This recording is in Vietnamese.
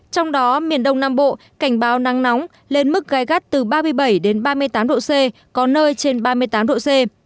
trong đó miền đông nam bộ cảnh báo nắng nóng lên mức gai gắt từ ba mươi bảy đến ba mươi tám độ c có nơi trên ba mươi tám độ c